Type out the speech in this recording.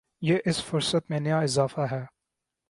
یہ اس فہرست میں نیا اضافہ ہے